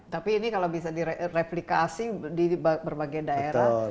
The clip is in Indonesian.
tapi ini kalau bisa direplikasi di berbagai daerah